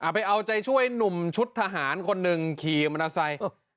ไปเอาใจช่วยหนุ่มชุดทหารคนหนึ่งขี่มอเตอร์ไซค์